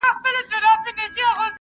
موږ د پانګوالو لپاره اسانتیاوې برابروو.